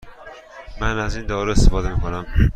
من از این دارو استفاده می کنم.